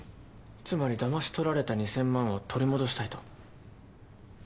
つまりだまし取られた２，０００万を取り戻したいと？